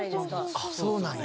あっそうなんや。